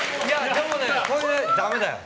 でもね、これダメだよ。